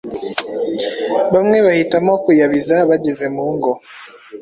bamwe bahitamo kuyabiza bageze mu ngo